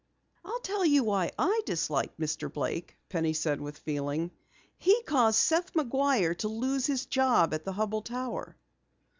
"I'll tell you why I dislike Mr. Blake," Penny said with feeling. "He caused Seth McGuire to lose his job at the Hubell Tower."